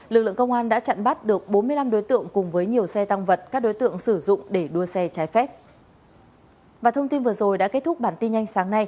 lực lượng công an đã chặn bắt được bốn mươi năm đối tượng cùng với nhiều xe tăng vật các đối tượng sử dụng để đua xe trái phép